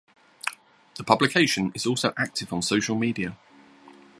The publication is also active on social media.